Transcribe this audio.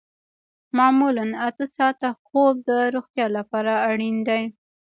معمولاً اته ساعته خوب د روغتیا لپاره اړین دی